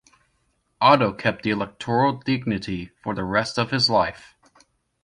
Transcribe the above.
Otto kept the electoral dignity for the rest of his life.